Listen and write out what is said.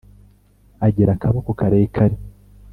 Agira akaboko karekare